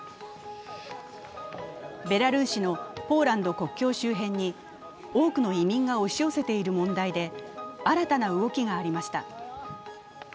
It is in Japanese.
ベラルーシのポーランド国境周辺に多くの移民が押し寄せている問題で新たな動きがありました。